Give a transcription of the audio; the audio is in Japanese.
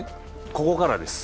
ここからです。